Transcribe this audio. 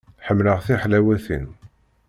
Ḥemmleɣ tiḥlawatin.